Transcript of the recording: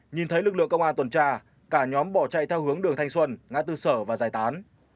nhìn thấy lực lượng công an tuần tra cả nhóm bỏ chạy theo hướng đường thanh xuân ngã tư sở và giải tán